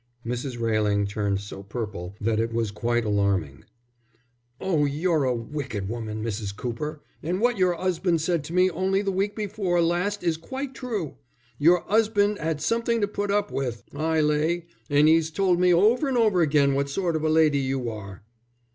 Mrs. Railing turned so purple that it was quite alarming. "Oh, you're a wicked woman, Mrs. Cooper, and what your 'usband said to me only the week before last is quite true. Your 'usband 'ad something to put up with, I lay, and 'e's told me over and over again what sort of a lady you are."